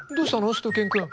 しゅと犬くん。